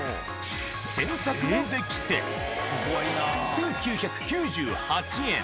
洗濯もできて１９９８円。